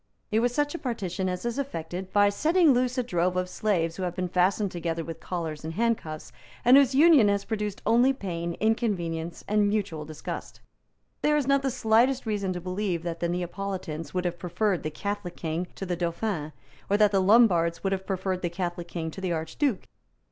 It was such a partition as is effected by setting loose a drove of slaves who have been fastened together with collars and handcuffs, and whose union has produced only pain, inconvenience and mutual disgust. There is not the slightest reason to believe that the Neapolitans would have preferred the Catholic King to the Dauphin, or that the Lombards would have preferred the Catholic King to the Archduke.